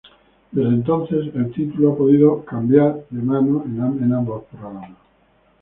Desde entonces el título ha podido ser cambiado de manos en ambos programas.